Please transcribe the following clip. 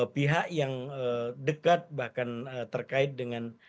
pihak yang dekat bahkan terkait dengan